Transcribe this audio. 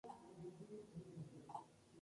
Actualmente milita en Tolentino de la Eccellenza.